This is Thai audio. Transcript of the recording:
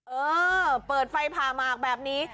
เออเปิดไฟผ่าหมากแบบนี้